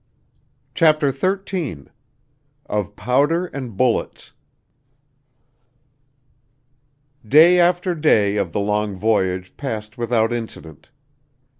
CHAPTER XIII Of Powder and Bullets Day after day of the long voyage passed without incident.